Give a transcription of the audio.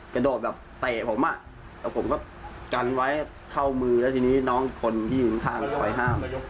กระโดดแบบเตะผมอ่ะแล้วผมก็กันไว้เข้ามือแล้วทีนี้น้องคนที่อยู่ข้างคอยห้าม